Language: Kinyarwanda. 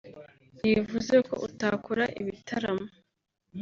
ntibivuze ko utakora ibitaramo